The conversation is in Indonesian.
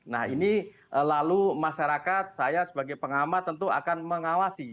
nah ini lalu masyarakat saya sebagai pengamat tentu akan mengawasi